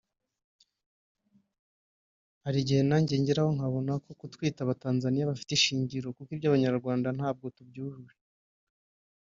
Hari igihe nanjye ngera aho nkabona ko kutwita aba-Tanzania bafite ishingiro kuko iby’abanyarwanda ntabwo tubyujuje